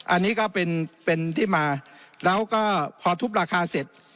อันนี้ก็เป็นเป็นที่มาแล้วก็พอทุบราคาเสร็จ